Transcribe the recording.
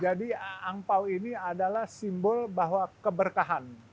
jadi angpao ini adalah simbol bahwa keberkahan